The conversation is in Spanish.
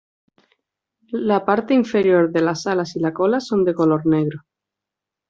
La parte inferior de las alas y la cola son de color negro.